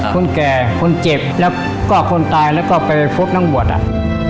คนแก่คนเจ็บแล้วก็คนตายแล้วก็ไปพบนางวัด